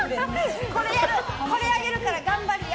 これあげるから頑張りや！